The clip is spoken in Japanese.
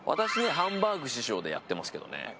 ハンバーグ師匠でやってますけどね。